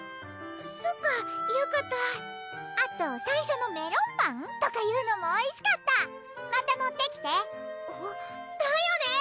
そっかよかったあと最初のメロンパン？とかいうのもおいしかったまた持ってきてだよね！